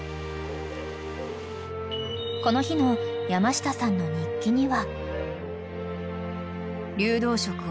［この日の山下さんの日記には］